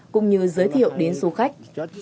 cũng như giới thiệu đến du khách